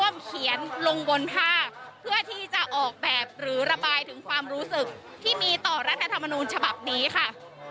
มีต่อรัฐนาธรรมนูญฉบับนี้ค่ะ